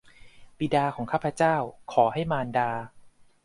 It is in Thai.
บิดาของข้าพเจ้า ขอให้มารดา